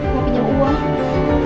mau pinjam uang